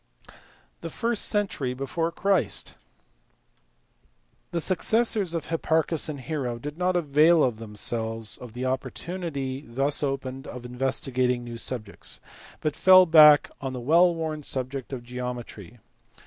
The first century before Christ. The successors of Hipparchus and Hero did not avail them selves of the opportunity thus opened of investigating new subjects, but fell back on the well worn subject of geometry.